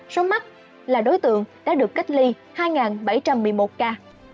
số mắt là đối tượng đã được cách ly hai bảy trăm một mươi một ca